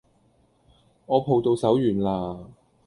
我抱到手軟啦